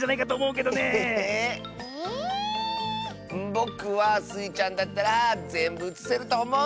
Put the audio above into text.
ぼくはスイちゃんだったらぜんぶうつせるとおもう！